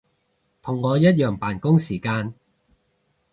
同我一樣扮工時間